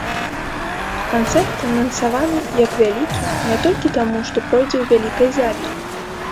Канцэрт анансаваны як вялікі не толькі таму, што пройдзе ў вялікай залі.